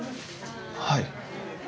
はい。